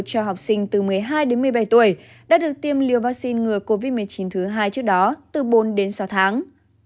cho học sinh từ một mươi hai đến một mươi bảy tuổi đã được tiêm liều vaccine ngừa covid một mươi chín thứ hai trước đó từ bốn đến sáu tháng